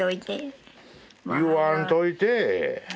「言わんといて」？